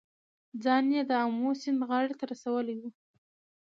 ځان یې د آمو سیند غاړې ته رسولی و.